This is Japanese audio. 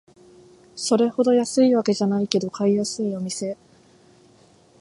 それほど安いわけじゃないけど買いやすいお店